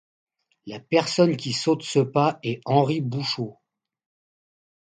La personne qui saute ce pas est Henri Bouchot.